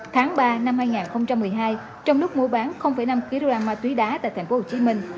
tháng ba năm hai nghìn một mươi hai trong lúc mua bán năm kg ma túy đá tại tp hcm